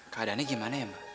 keadaannya gimana ya mbak